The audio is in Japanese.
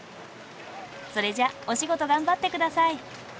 それじゃお仕事頑張って下さい。